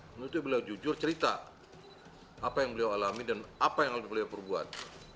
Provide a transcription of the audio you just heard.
menurut saya beliau jujur cerita apa yang beliau alami dan apa yang beliau perbuat